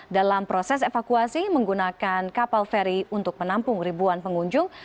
dalam proses evakuasi menggunakan kapal feri untuk menampung ribuan pengunjung